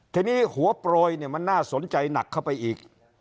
ทีนี้หัวโปรยเนี่ยมันน่าสนใจหนักเข้าไปอีก